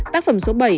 tác phẩm số bảy